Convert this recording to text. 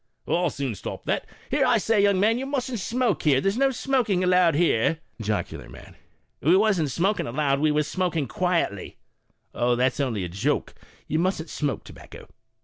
Porter, " I'll soon stop that. Here, I say, young man, you mustn't smoke here. There's no smoking allowed here." Jocular Man. " We wasn't smoking aloud, we was smoking quietly." Porter. " Oh, that's only a joke, you mustn't smoke tobacco. Young Man.